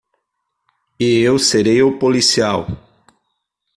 E eu serei o policial.